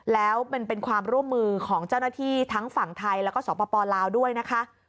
แล้วเป็นความร่วมมือของเจ้าหน้าที่ทั้งฝั่งไทยแล้วก็สปลาวด้วยนะคะ